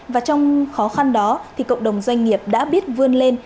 và trong khó khăn đó thì cộng đồng doanh nghiệp đã biết vươn lên